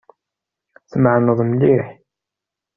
Tmeεneḍ mliḥ.